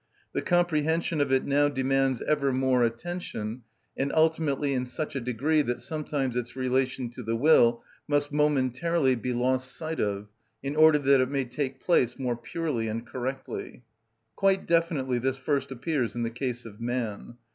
The comprehension of it now demands ever more attention, and ultimately in such a degree that sometimes its relation to the will must momentarily be lost sight of in order that it may take place more purely and correctly. Quite definitely this first appears in the case of man.